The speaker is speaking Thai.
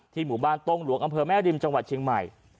หมู่บ้านต้งหลวงอำเภอแม่ริมจังหวัดเชียงใหม่